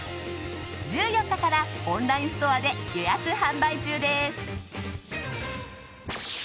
１４日からオンラインストアで予約販売中です。